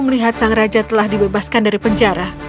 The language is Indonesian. melihat sang raja telah dibebaskan dari penjara